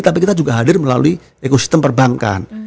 tapi kita juga hadir melalui ekosistem perbankan